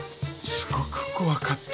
すごく怖かった。